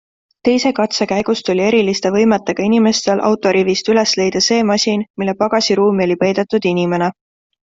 Teise katse käigus tuli eriliste võimetega inimestel autorivist üles leida see masin, mille pagasiruumi oli peidetud inimene.